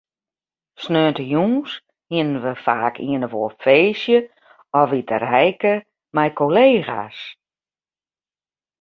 Sneontejûns hiene we faak ien of oar feestje of iterijke mei kollega's.